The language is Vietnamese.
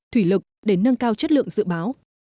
thủy lực để nâng cao chất lượng dự báo